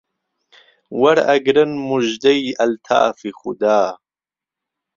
وەرئەگرن موژدەی ئەلتافی خودا